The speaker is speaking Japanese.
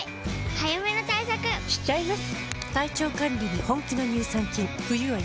早めの対策しちゃいます。